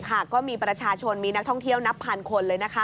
ก็มีประชาชนมีนักท่องเที่ยวนับพันคนเลยนะคะ